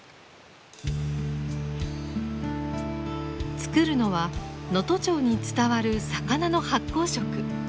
作るのは能登町に伝わる魚の発酵食。